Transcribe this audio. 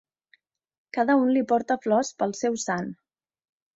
Cada un li porta flors pel seu sant.